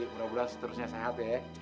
mudah mudahan seterusnya sehat ya